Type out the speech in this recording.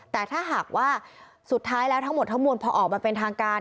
แต่ถ้าหากว่าสุดท้ายแล้วทั้งหมดทั้งมวลพอออกมาเป็นทางการ